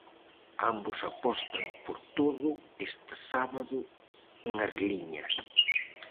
Ambos apostan por todo este sábado en Arliña.